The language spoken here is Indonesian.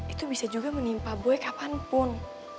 itu bisa juga menimpa bue kapanpun